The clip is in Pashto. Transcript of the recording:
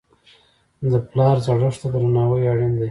د پلار زړښت ته درناوی اړین دی.